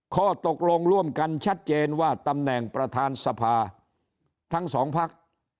ข้อตกลงร่วมกันชัดเจนว่าตำแหน่งประธานสภาทั้งสองพัก